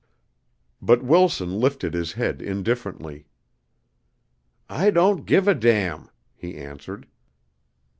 But Wilson lifted his head indifferently. "I don't give a damn," he answered.